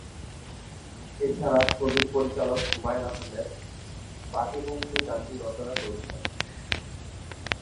এছাড়া ছবির পরিচালক হুমায়ূন আহমেদ "বাজে বংশী" গানটি রচনা করেছিলেন।